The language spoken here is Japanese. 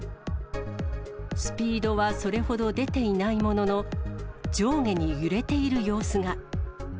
スピードはそれほど出ていないものの、上下に揺れている様子が。